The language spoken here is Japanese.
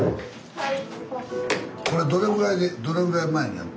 ・はい。